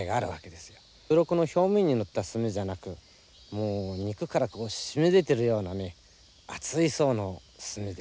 うろこの表面にのった墨じゃなくもう肉から染み出てるようなね厚い層の墨で。